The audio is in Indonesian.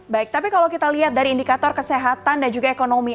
baik tapi kalau kita lihat dari indikator kesehatan dan juga ekonomi